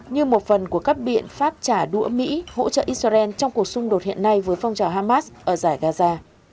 như một phần của các biện pháp trả đũa mỹ hỗ trợ israel trong cuộc xung đột hiện nay với phong trào hamas ở giải gaza